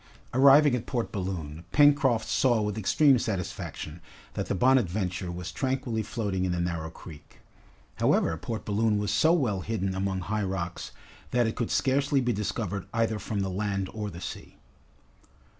Arrived at Port Balloon, Pencroft saw with extreme satisfaction that the "Bonadventure" was tranquilly floating in the narrow creek. However, Port Balloon was so well hidden among high rocks, that it could scarcely be discovered either from the land or the sea.